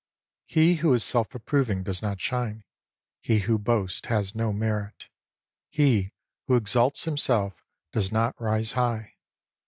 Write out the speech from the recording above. • He who is self approving does not shine. He who boasts has no merit. He who exalts himself does not rise high.